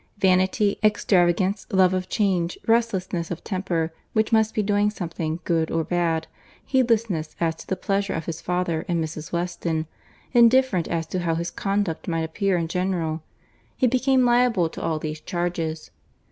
Vanity, extravagance, love of change, restlessness of temper, which must be doing something, good or bad; heedlessness as to the pleasure of his father and Mrs. Weston, indifferent as to how his conduct might appear in general; he became liable to all these charges.